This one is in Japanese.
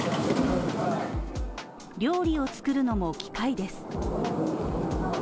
料理を作るのも機械です。